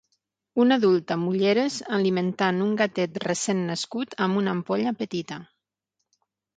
Un adult amb ulleres alimentant un gatet recent nascut amb una ampolla petita